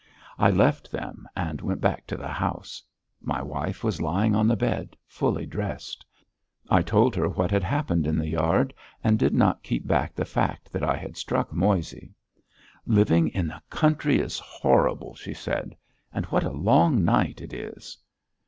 I left them and went back to the house. My wife was lying on the bed, fully dressed. I told her what had happened in the yard and did not keep back the fact that I had struck Moissey. "Living in the country is horrible," she said. "And what a long night it is!"